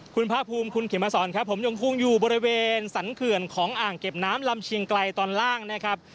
คุณภาคภูมิคุณเขมสอนครับผมยังคงอยู่บริเวณสรรเขื่อนของอ่างเก็บน้ำลำเชียงไกลตอนล่างนะครับ